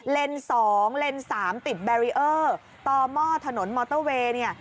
๒เลนส์๓ติดแบรีเออร์ต่อหม้อถนนมอเตอร์เวย์เนี่ย